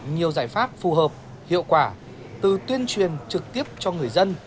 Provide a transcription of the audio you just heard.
nhiều giải pháp phù hợp hiệu quả từ tuyên truyền trực tiếp cho người dân